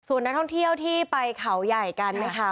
ส่วนนักท่องเที่ยวที่ไปเขาใหญ่กันนะคะ